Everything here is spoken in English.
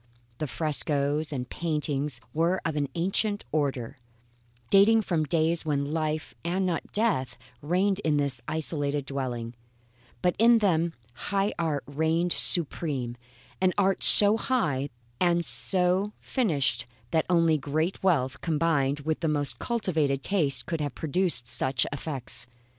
The frescoes and paintings were of an ancient order, dating from days when life and not death reigned in this isolated dwelling; but in them high art reigned supreme, an art so high and so finished that only great wealth, combined with the most cultivated taste, could have produced such effects.